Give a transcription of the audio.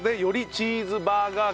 チーズバーガー？